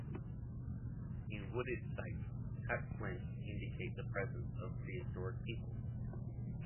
In wooded sites, cut flints indicate the presence of prehistoric peoples.